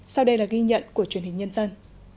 sau đây là ghi nhận của truyền hình nhân dân